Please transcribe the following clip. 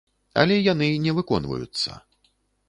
Але яны не выконваюцца.